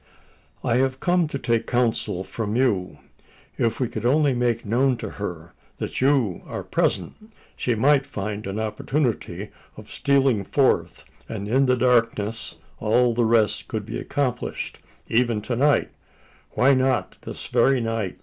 "I have come to take counsel from you. If we could only make known to her that you are present, she might find an opportunity of stealing forth; and in the darkness, all the rest could be accomplished. Even to night why not this very night?"